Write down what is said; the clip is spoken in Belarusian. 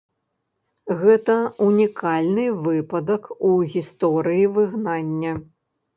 Гэта унікальны выпадак у гісторыі выгнання.